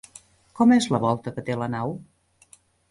Com és la volta que té la nau?